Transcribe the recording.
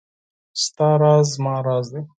ستا راز زما راز دی .